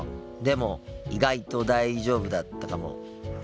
でも意外と大丈夫だったかも。